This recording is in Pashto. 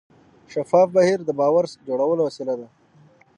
شفاف بهیر د باور جوړولو وسیله ده.